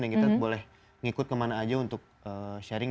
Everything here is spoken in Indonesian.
dan kita boleh ngikut kemana aja untuk sharing